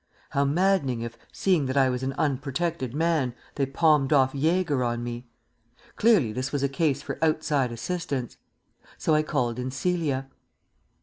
How maddening if, seeing that I was an unprotected man, they palmed off Jaeger on me! Clearly this was a case for outside assistance. So I called in Celia.